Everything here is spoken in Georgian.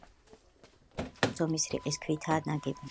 ეკლესია სხვადასხვა ზომის რიყის ქვითაა ნაგები.